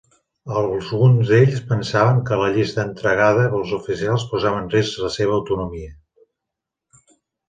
Alguns d'ells pensaven que la llista entregada pels oficials posava en risc la seva autonomia.